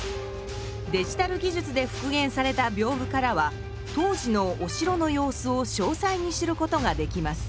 デジタル技術で復元された屏風からは当時のお城の様子をしょうさいに知ることができます。